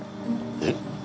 えっ？